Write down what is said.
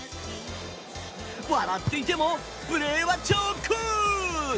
笑っていても、プレーは超クール。